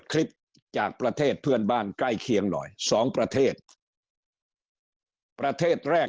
คลิปจากประเทศเพื่อนบ้านใกล้เคียงหน่อยสองประเทศประเทศแรก